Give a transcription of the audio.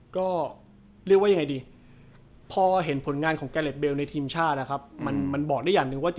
ก็เรียกว่ายังไงดีพอเห็นผลงานของแกเล็ดเบลในทีมชาตินะครับมันบอกได้อย่างหนึ่งว่า